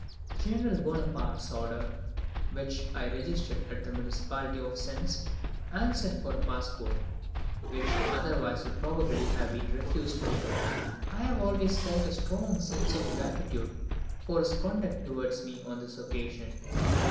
General Bonaparte's order, which I registered at the municipality of Sens, answered for a passport, which otherwise would probably have been refused me. I have always felt a strong sense of gratitude for his conduct towards me on this occasion.